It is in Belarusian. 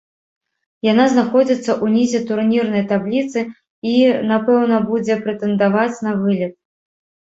Яна заходзіцца ўнізе турнірнай табліцы і, напэўна, будзе прэтэндаваць на вылет.